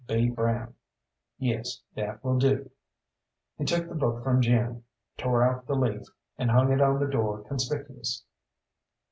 B. Brown.' Yes, that will do." He took the book from Jim, tore out the leaf, and hung it on the door conspicuous.